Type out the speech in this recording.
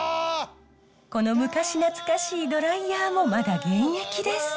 この昔懐かしいドライヤーもまだ現役です。